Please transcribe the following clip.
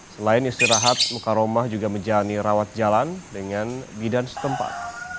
selain istirahat muka rumah juga menjadi rawat jalan dengan bidan setempat